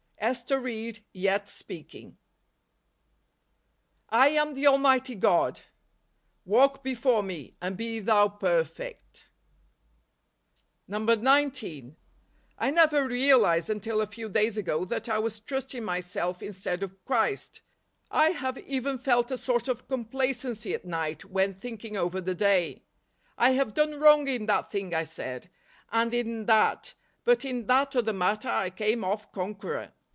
Ester Ried Yet Speaking. " lam the Almighty God; walk before me , and be thou perfect." 19. I never realized, until a few days ago, that I was trusting myself instead of Christ. I have even felt a sort of com¬ placency at night when thinking over the day. " I have done wrong in that thing," I said, "and in that, but in that other mat¬ ter I came off conqueror.